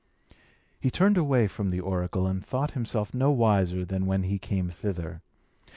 He turned away from the oracle, and thought himself no wiser than when he came thither.